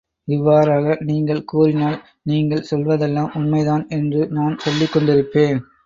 இவ்வாறாக நீங்கள் கூறினால் நீங்கள் சொல்வதெல்லாம் உண்மைதான் என்று நான் சொல்லிக் கொண்டிருப்பேன்.